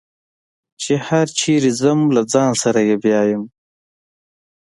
چې هر چېرته ځم له ځان سره یې بیایم.